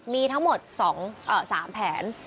มีทั้งหมด๒๓แผน